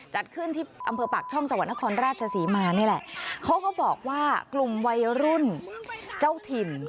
จัดขึ้นที่อำเภอปากช่องจังหวัดนครราชศรีมานี่แหละเขาก็บอกว่ากลุ่มวัยรุ่นเจ้าถิ่น